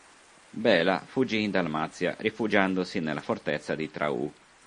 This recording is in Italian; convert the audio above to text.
Béla fuggì in Dalmazia rifugiandosi nella fortezza di Traù.